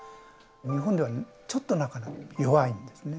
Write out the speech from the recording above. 日本ではちょっとなかなか弱いんですね。